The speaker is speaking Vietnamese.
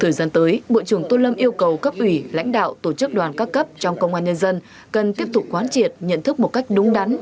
thời gian tới bộ trưởng tôn lâm yêu cầu cấp ủy lãnh đạo tổ chức đoàn các cấp trong công an nhân dân cần tiếp tục quán triệt nhận thức một cách đúng đắn